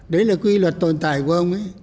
đấy là quy luật tồn tại của ông ấy